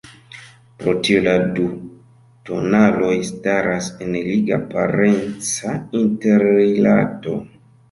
Pro tio la du tonaloj staras en liga parenca interrilato.